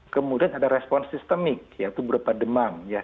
kemudian ada respon sistemik yaitu berupa demam ya